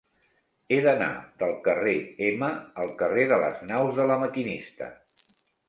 He d'anar del carrer Ema al carrer de les Naus de La Maquinista.